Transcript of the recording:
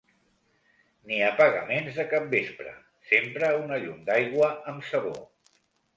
Ni apagaments de capvespre: sempre una llum d'aigua amb sabó